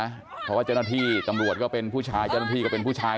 เพราะว่าเจ้าหน้าที่ตำรวจก็เป็นผู้ชายเจ้าหน้าที่ก็เป็นผู้ชาย